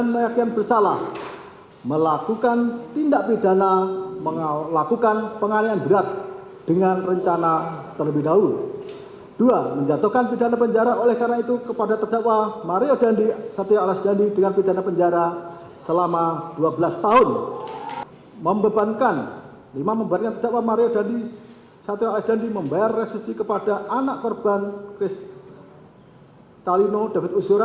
mario dandi satrio alijandi membayar restitusi kepada anak korban chris talino david ozora